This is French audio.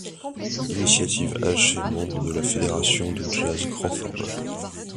Initiative H est membre de la fédération de jazz Grands Formats.